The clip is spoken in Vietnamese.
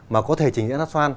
mà có thể chỉnh giá hát xoan